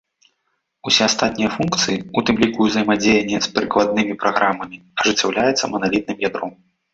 Усе астатнія функцыі, у тым ліку ўзаемадзеянне з прыкладнымі праграмамі, ажыццяўляюцца маналітным ядром.